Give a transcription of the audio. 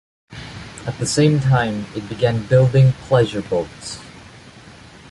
At the same time it began building pleasure boats.